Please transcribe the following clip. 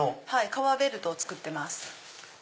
革ベルトを作ってます。